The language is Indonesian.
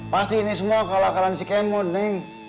pasti ini semua kalah kalahan si k mond neng